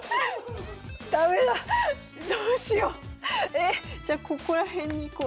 えじゃあここら辺に行こう。